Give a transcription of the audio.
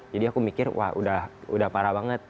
jadi aku mikir wah udah parah banget